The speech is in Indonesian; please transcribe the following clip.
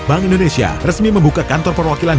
bank indonesia resmi membuka kantor perwakilan